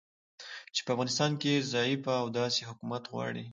چې په افغانستان کې ضعیفه او داسې حکومت غواړي